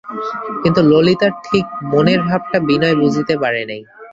কিন্তু ললিতার ঠিক মনের ভাবটা বিনয় বুঝিতে পারে নাই।